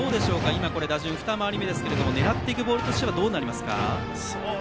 今、打順２巡目ですが狙っていくボールとしてはどうなりますか。